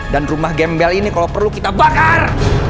dan rumah gembel ini kalo perlu kita bakar